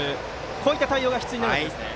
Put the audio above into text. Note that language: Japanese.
こういった対応が必要になるわけですね。